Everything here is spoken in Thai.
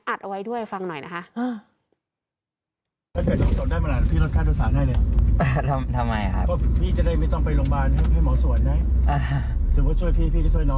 เอาไว้ด้วยฟังหน่อยนะคะ